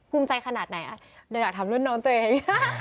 ภูมิใจขนาดไหนอยากทำรุ่นน้องตัวเอง